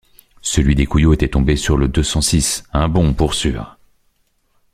Celui des Couillot était tombé sur le deux cent six, un bon, pour sûr!